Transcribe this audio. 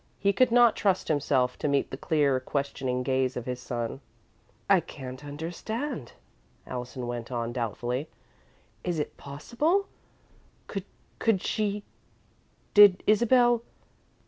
He could not trust himself to meet the clear, questioning gaze of his son. "I can't understand," Allison went on, doubtfully. "Is it possible could she did Isabel